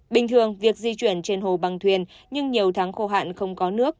bình thường việc di chuyển trên hồ bằng thuyền nhưng nhiều tháng khô hạn không có nước